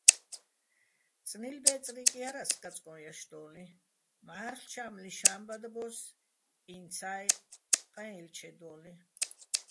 წნილბე́წრიკ ჲარასო̆ კაწკოჼ ჲაშდო́ლიჼ, მჵა́რლ ჩა́მლიშ ჰა́მბადბო́ს ინცა́ჲ, ყაჲალჩედო́ლიჼ.